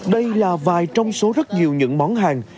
đây là vài trong số rất nhiều những món hàng